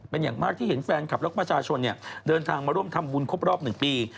เป็นอย่างมากที่เห็นแฟนคลับแล้วก็ประชาชนเดินทางมาร่วมทำบุญครบรอบ๑ปี